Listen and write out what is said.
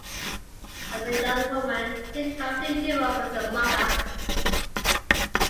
As a young woman, she traveled to Europe with her mother.